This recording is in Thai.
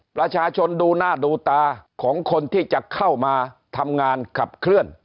ประชาชนดูหน้าดูตาของคนที่จะเข้ามาทำงานขับเคลื่อน